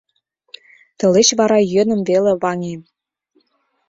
Тылеч вара йӧным веле ваҥем.